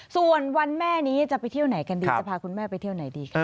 ส่วนวันแม่นี้จะไปเที่ยวไหนกันดีจะพาคุณแม่ไปเที่ยวไหนดีคะ